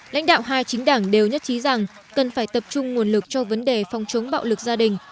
lãnh đạo hai chính đảng đều nhất trí rằng cần phải tập trung nguồn lực cho vấn đề phòng chống bạo lực gia đình